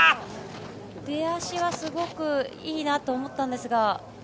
出足はすごくいいなと思ったんですが。